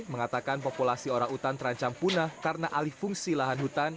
mengatakan populasi orang hutan terancam punah karena alih fungsi lahan hutan